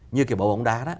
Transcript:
như kiểu bầu bóng đá